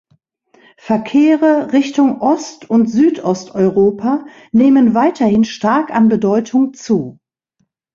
Verkehre Richtung Ost- und Südosteuropa nehmen weiterhin stark an Bedeutung zu.